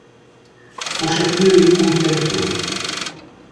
Son chef-lieu est Koumpentoum.